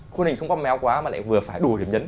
khuôn hình không có méo quá mà lại vừa phải đùa điểm nhấn